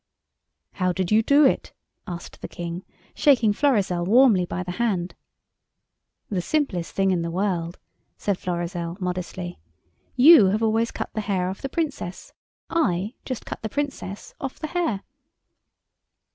"How did you do it?" asked the King, shaking Florizel warmly by the hand. "The simplest thing in the world," said Florizel, modestly. "You have always cut the hair off the Princess. I just cut the Princess off the hair."